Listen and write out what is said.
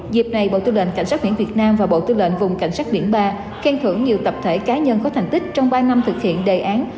dịp này bộ tư lệnh cảnh sát biển việt nam và bộ tư lệnh vùng cảnh sát biển ba khen thưởng nhiều tập thể cá nhân có thành tích trong ba năm thực hiện đề án